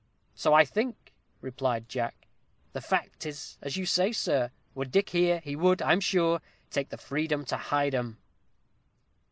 "So I think," replied Jack. "The fact is as you say, sir were Dick here, he would, I am sure, take the freedom to hide 'em."